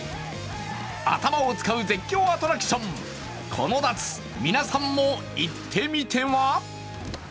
頭を使う絶叫アトラクション、この夏、皆さんも行ってみては？